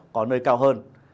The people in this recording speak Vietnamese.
có nơi cao hơn